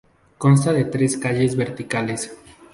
Consta de tres calles verticales.